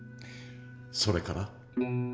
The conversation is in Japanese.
それから？